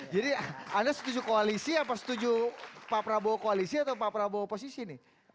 anda setuju koalisi apa setuju pak prabowo koalisi atau pak prabowo oposisi nih